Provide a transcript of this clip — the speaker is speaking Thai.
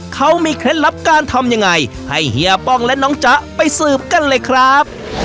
เขามีเคล็ดลับการทำยังไงให้เฮียป้องและน้องจ๊ะไปสืบกันเลยครับ